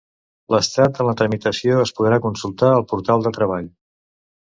L'estat de la tramitació es podrà consultar al portal de Treball.